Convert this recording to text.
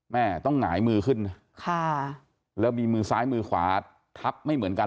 แม่ต้องหงายมือขึ้นนะค่ะแล้วมีมือซ้ายมือขวาทับไม่เหมือนกัน